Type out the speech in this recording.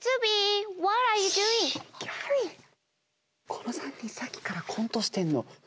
この３人さっきからコントしてんの。